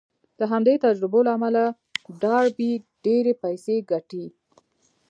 د همدې تجربو له امله ډاربي ډېرې پيسې ګټي.